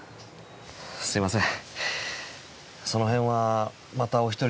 すいません。